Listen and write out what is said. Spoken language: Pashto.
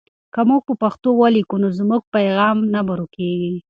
که موږ په پښتو ولیکو نو زموږ پیغام نه ورکېږي.